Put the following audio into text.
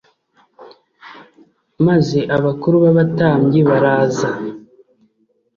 maze abakuru b’abatambyi baraza